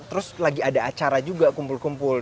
terus lagi ada acara juga kumpul kumpul